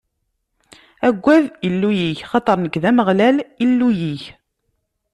Aggad Illu-yik, axaṭer nekk, d Ameɣlal, Illu-yik.